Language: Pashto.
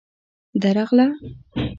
_درغله.